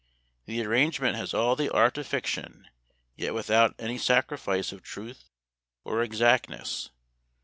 The arrangement has all the art of fiction, yet with out any sacrifice of truth or exactness.